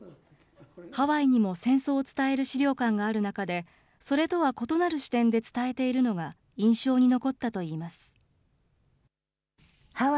ハワイにも戦争を伝える資料館がある中で、それとは異なる視点で伝えているのが印象に残ったといいます。